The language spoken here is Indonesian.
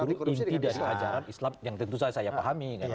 itu inti dari ajaran islam yang tentu saja saya pahami